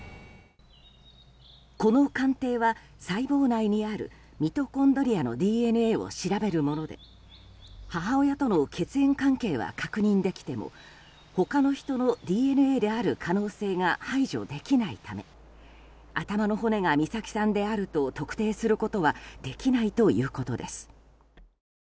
この鑑定は、細胞内にあるミトコンドリアのＤＮＡを調べるもので母親との血縁関係は確認できても他の人のＤＮＡである可能性が排除できないため頭の骨が美咲さんであると特定することはできないということです。